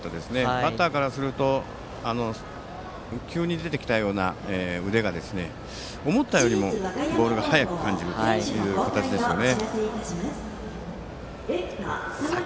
バッターからすると腕が急に出てきたような感じで思ったよりもボールが速く感じるという形でしたね。